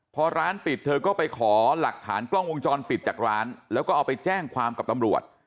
พอร้านปิดเธอก็ไปขอหลักฐานกล้องวงจรปิดจากร้านแล้วก็เอาไปแจ้งความกับตำรวจ